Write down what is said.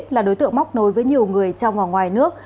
là đối tượng móc nối với nhiều người trong và ngoài nước